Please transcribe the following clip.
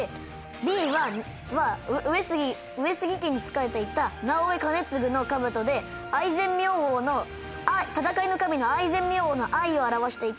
Ｂは上杉家に仕えていた直江兼続の兜で愛染明王の戦いの神の愛染明王の「愛」を表していて。